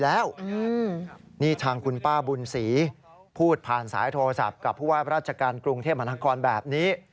แล้วนี่ทางคุณป้าบุญศรีพูดผ่านสายโทรศัพท์กับผู้ว่าราชการกรุงเทพมหานครแบบนี้